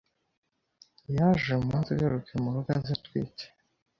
yeje umunsigeruke mu rugo eze etwite